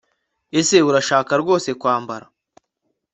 Ese Urashaka rwose kwambara